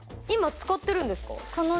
今使ってるんですか？